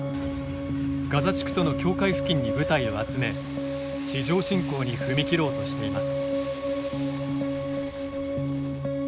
ガザ地区との境界付近に部隊を集め地上侵攻に踏み切ろうとしています。